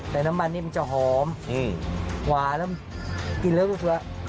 แต่น้ำมันนี่มันจะหอมหวานแล้วกินแล้วรู้สึกว่า